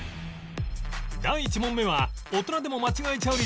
第１問目は